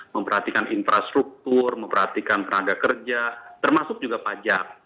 memperhatikan infrastruktur memperhatikan tenaga kerja termasuk juga pajak